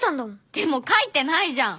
でも書いてないじゃん！